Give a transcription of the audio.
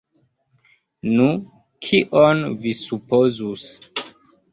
Nu, kion vi supozus?!